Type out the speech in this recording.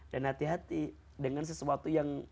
dan hati hati dengan sesuatu yang